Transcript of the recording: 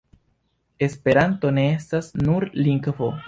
Esperanto ne estas nur lingvo.